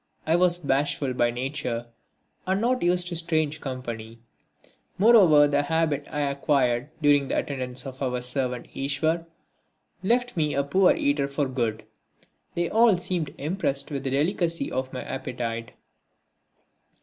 I was bashful by nature and not used to strange company; moreover the habit I acquired during the attendance of our servant Iswar left me a poor eater for good. They all seemed impressed with the delicacy of my appetite.